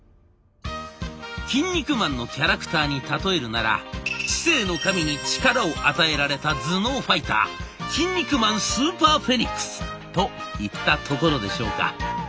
「キン肉マン」のキャラクターに例えるなら知性の神に力を与えられた頭脳ファイターキン肉マンスーパー・フェニックスといったところでしょうか。